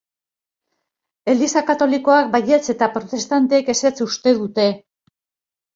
Eliza Katolikoak baietz eta protestanteek ezetz uste dute.